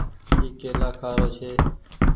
اي ڪيلآ کآ رو ڇي۔